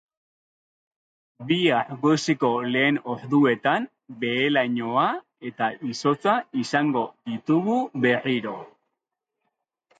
Bihar goizeko lehen orduetan behe-lainoa eta izotza izango ditugu berriro.